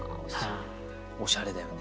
おしゃれだよね。